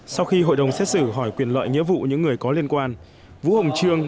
sau khi hội đồng xét xử hỏi quyền lợi nghĩa vụ những người có liên quan vũ hồng trương